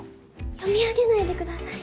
読み上げないでください